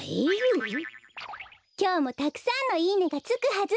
きょうもたくさんのいいねがつくはず。